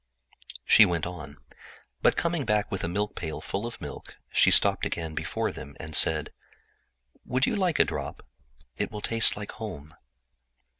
She went on. But coming back with a milk pail full of milk, she stopped again before them, and said: "Would you like a little? It will taste like home."